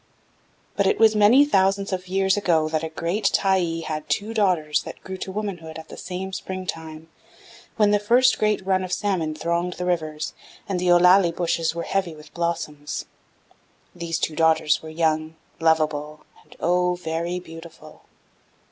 "But it was many thousands of years ago that a great Tyee had two daughters that grew to womanhood at the same springtime, when the first great run of salmon thronged the rivers, and the ollallie bushes were heavy with blossoms. These two daughters were young, lovable, and oh! very beautiful.